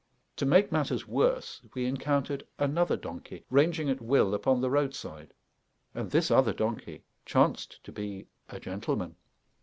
To make matters worse, we encountered another donkey, ranging at will upon the roadside; and this other donkey chanced to be a gentleman.